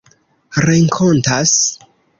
renkontas